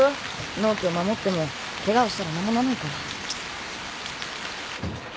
納期を守ってもケガをしたら何もなんないから。